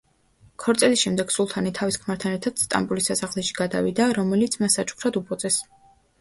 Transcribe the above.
ქორწილის შემდეგ სულთანი თავის ქმართან ერთად სტამბოლის სასახლეში გადავიდა, რომელიც მათ საჩუქრად უბოძეს.